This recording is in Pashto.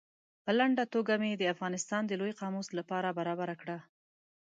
په لنډه توګه مې د افغانستان د لوی قاموس له پاره برابره کړه.